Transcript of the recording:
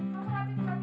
masuk lagi pak